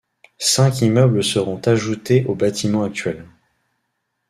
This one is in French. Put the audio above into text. Cinq immeubles seront ajoutés au bâtiment actuel.